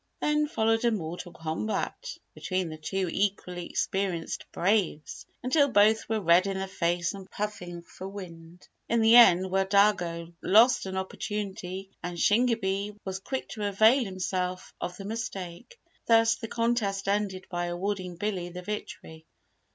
Then followed a mortal combat (?) between the two equally experienced Braves, until both were red in the face and puffing for wind. In the end, Wahdago lost an opportunity and Shingebis was quick to avail himself of the mistake. Thus the contest ended by awarding Billy the victory.